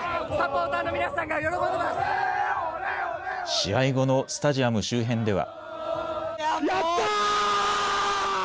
試合後のスタジアム周辺では。